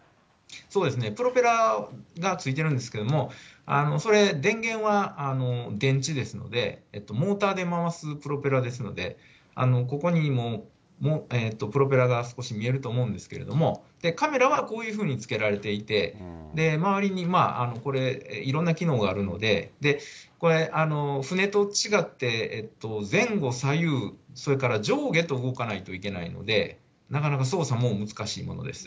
プロペラがついてるんですけども、それ、電源は電池ですので、モーターで回すプロペラですので、ここにプロペラが少し見えると思うんですけども、カメラはこういうふうにつけられていて、周りにこれ、いろんな機能があるので、船と違って、前後左右、それから上下と動かないといけないので、なかなか操作も難しいものです。